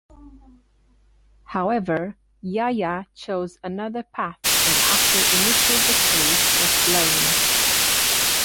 However, Yahya chose another path and after initial victory was slain.